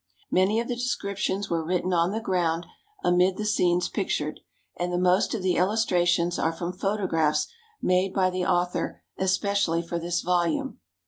Many of the descriptions were written on the ground amid the scenes pictured, and the most of the illustrations are from photographs made by the author especially for this volume.